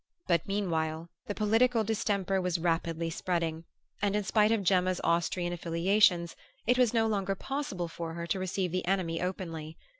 But meanwhile the political distemper was rapidly spreading, and in spite of Gemma's Austrian affiliations it was no longer possible for her to receive the enemy openly.